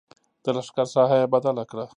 د لښکر ساحه یې بدله کړه.